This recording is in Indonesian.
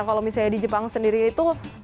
kalau misalnya di jepang sendiri itu